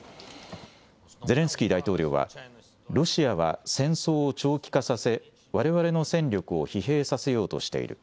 ゼレンスキー大統領は、ロシアは戦争を長期化させ、われわれの戦力を疲弊させようとしている。